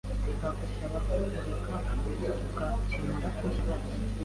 Turagusaba ko ureka tugakemura iki kibazo.